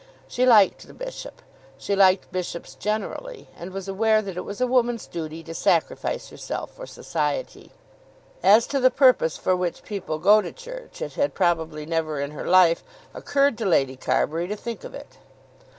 She liked the bishop. She liked bishops generally; and was aware that it was a woman's duty to sacrifice herself for society. As to the purpose for which people go to church, it had probably never in her life occurred to Lady Carbury to think of it.